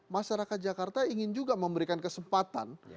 masyarakat jakarta ingin juga memberikan kesempatan